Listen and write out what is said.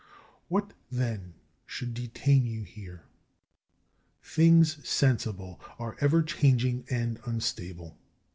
What then should detain you here? Things sensible are ever changing and unstable.